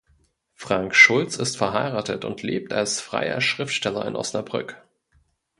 Frank Schulz ist verheiratet und lebt als freier Schriftsteller in Osnabrück.